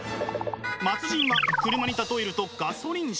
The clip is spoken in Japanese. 末人は車に例えるとガソリン車。